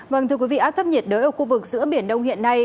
vâng thưa quý vị áp thấp nhiệt đới ở khu vực giữa biển đông hiện nay